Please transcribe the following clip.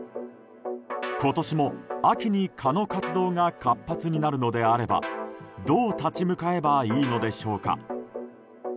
今年も秋に蚊の活動が活発になるのであればどう立ち向かえばいいのでしょうか。